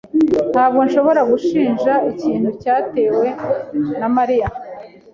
Ntabwo nshobora gushinja ikintu cyatewe na Mariya.